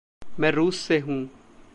मैं रूस से हूँ।